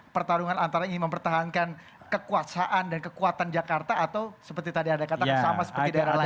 pertarungan antara ingin mempertahankan kekuasaan dan kekuatan jakarta atau seperti tadi anda katakan sama seperti daerah lain